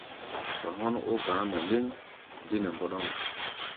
Wa hɔ́n ó gba̧á̧ mɔ lɛ́ŋ dé nɛ mbɔ́ɗɔ́mɔ.